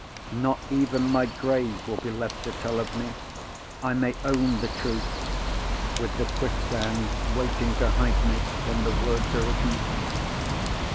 Not even my grave will be left to tell of me. I may own the truth—with the quicksand waiting to hide me when the words are written.